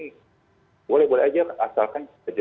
daripada saya harus bayar ke beberapa pagi hanya itu ya kan ya